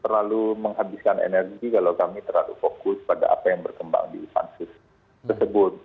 terlalu menghabiskan energi kalau kami terlalu fokus pada apa yang berkembang di pansus tersebut